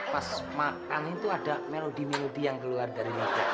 pas makan itu ada melodi melodi yang keluar dari medan